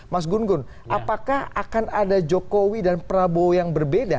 mas gun gun apakah akan ada jokowi dan prabowo yang berbeda